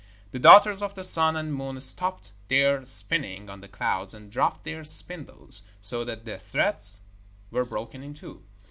The daughters of the Sun and Moon stopped their spinning on the clouds, and dropped their spindles, so that the threads were broken in two.